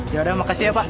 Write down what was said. ya udah makasih ya pak